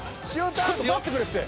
ちょっと待ってくれって。